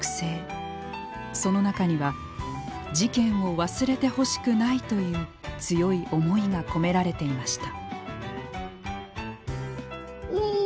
その中には事件を忘れてほしくないという強い思いが込められていました。